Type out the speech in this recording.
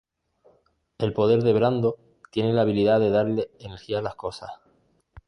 El poder de Brando tiene la habilidad de darle energía a las cosas.